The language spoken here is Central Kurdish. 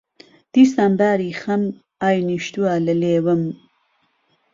دیسان باری خهم، ئای نیشتووه له لێوم